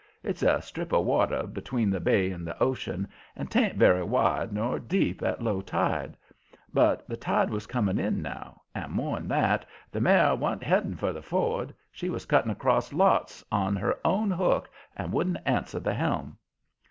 It's a strip of water between the bay and the ocean, and 'tain't very wide nor deep at low tide. But the tide was coming in now, and, more'n that, the mare wa'n't headed for the ford. She was cuttin' cross lots on her own hook, and wouldn't answer the helm.